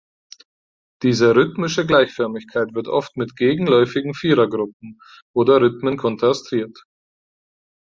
Diese rhythmische Gleichförmigkeit wird oft mit gegenläufigen Vierergruppen oder -rhythmen kontrastiert.